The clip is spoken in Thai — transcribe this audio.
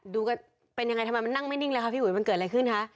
ดูกันเป็นยังไงทำไมมันนั่งไม่นิ่งเลยค่ะพี่อุ๋ยมันเกิดอะไรขึ้นคะ